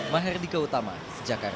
maher diqa utama jakarta